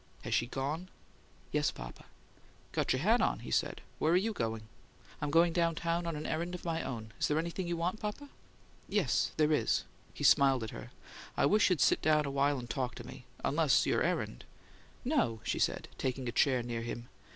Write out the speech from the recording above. Has she gone?" "Yes, papa." "Got your hat on," he said. "Where you going?" "I'm going down town on an errand of my own. Is there anything you want, papa?" "Yes, there is." He smiled at her. "I wish you'd sit down a while and talk to me unless your errand " "No," she said, taking a chair near him.